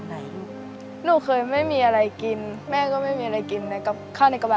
ใส่เหตุที่เกิดจะเป็นนี่นี่เป็นจากอะไรครับ